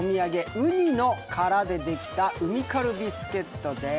うにの殻でできたウミカルビスケットです。